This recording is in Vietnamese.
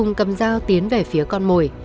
nhân và thành đưa đường tiến về phía con mồi